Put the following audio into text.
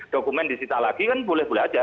dokumen disita lagi kan boleh boleh aja